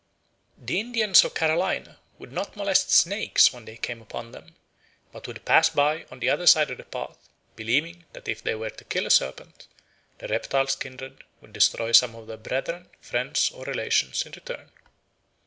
The Indians of Carolina would not molest snakes when they came upon them, but would pass by on the other side of the path, believing that if they were to kill a serpent, the reptile's kindred would destroy some of their brethren, friends, or relations in return.